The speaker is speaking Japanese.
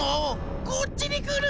こっちにくる！